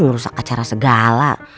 ngerusak acara segala